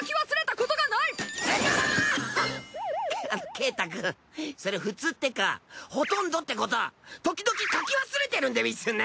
ケータくんそれ普通ってか「ほとんど」ってことはときどき書き忘れてるんでうぃすね！？